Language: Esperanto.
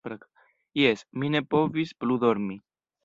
Jes, mi ne povis plu dormi.